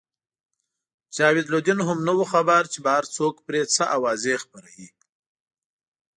جاوید لودین هم نه وو خبر چې بهر څوک پرې څه اوازې خپروي.